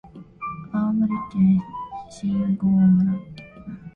青森県新郷村